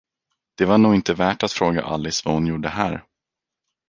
Det var nog inte värt att fråga Alice vad hon gjorde här.